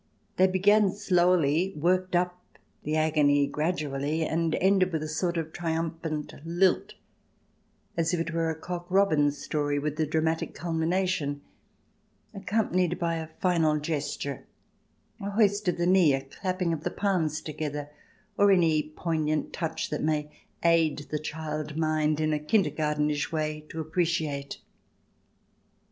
They began slowly, worked up the agony gradually, and ended with a sort of triumphant lilt, as if it were a cock robin story with a dramatic culmination, accompanied by a final gesture, a hoist of the knee, a clapping of the palms together, or any poignant touch that may aid the child mind in a Kindergartenish way to ap preciate.